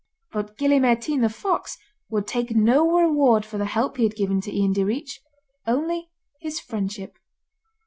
But Gille Mairtean the fox would take no reward for the help he had given to Ian Direach, only his friendship.